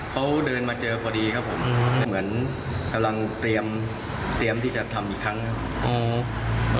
เขาเดินมาเจอพอดีครับผมเหมือนกำลังเตรียมที่จะทำอีกครั้งครับ